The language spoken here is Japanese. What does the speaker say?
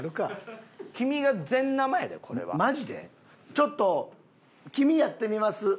ちょっと黄身やってみます。